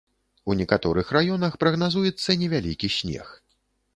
У некаторых раёнах прагназуецца невялікі снег.